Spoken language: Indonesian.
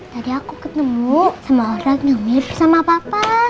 tadi aku ketemu sama orang yang mirip sama papa